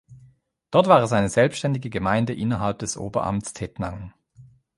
Dort war es eine selbständige Gemeinde innerhalb des Oberamts Tettnang.